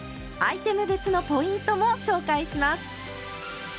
アイテム別のポイントも紹介します！